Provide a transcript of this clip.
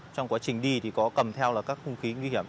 trong quá trình đi thì có cầm theo các khung khí nguy hiểm